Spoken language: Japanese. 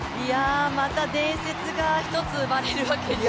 また伝説が一つ生まれるわけですね。